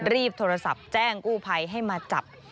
รีบโทรศัพท์แจ้งกู้ภัยให้มาจับ